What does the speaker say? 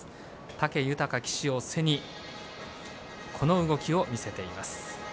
武豊騎手を背にこの動きを見せています。